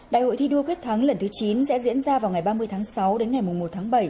đại hội thi đua quyết thắng lần thứ chín sẽ diễn ra vào ngày ba mươi tháng sáu đến ngày một tháng bảy